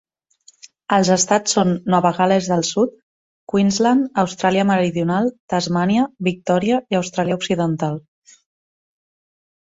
Els estats són Nova Gal·les del Sud, Queensland, Austràlia meridional, Tasmània, Victòria i Austràlia occidental.